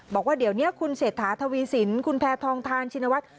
บอกว่าเดี๋ยวนี้คุณเศรษฐาทวีสินคุณแพทองทานชินวัฒน์